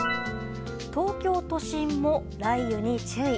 東京都心も雷雨に注意。